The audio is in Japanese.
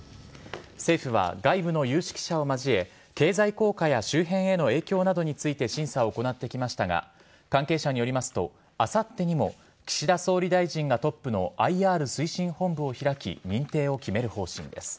政府は外部の有識者を交え経済効果や周辺への影響などについて審査を行ってきましたが関係者によりますとあさってにも岸田総理大臣がトップのＩＲ推進本部を開き認定を決める方針です。